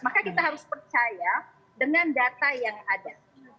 maka kita harus percaya dengan data yang ada